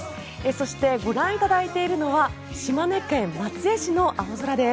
そしてご覧いただいているのは島根県松江市の青空です。